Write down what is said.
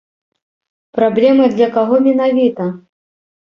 Праблемай для каго менавіта?